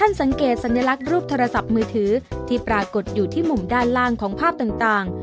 สังเกตสัญลักษณ์รูปโทรศัพท์มือถือที่ปรากฏอยู่ที่มุมด้านล่างของภาพต่าง